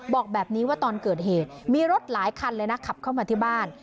บอกแบบนี้ว่าตอนเกิดเหตุมีรถหลายคันเลยนะขับเข้ามาที่บ้าน